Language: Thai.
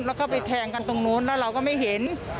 แล้วก็ไปแทงกันตรงนู้นแล้วเราก็ไม่เห็น